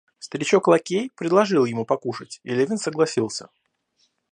Старичок-лакей предложил ему покушать, и Левин согласился.